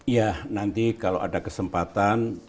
ya nanti kalau ada kesempatan